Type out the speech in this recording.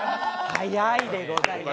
早いでございます。